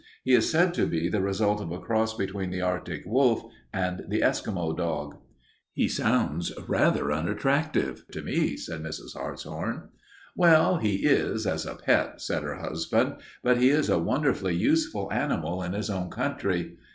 He is said to be the result of a cross between the Arctic wolf and the Eskimo dog." "He sounds rather unattractive to me," said Mrs. Hartshorn. "Well, he is, as a pet," said her husband, "but he is a wonderfully useful animal in his own country.